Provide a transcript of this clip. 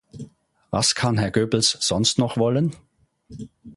Was kann Herr Goebbels sonst noch wollen?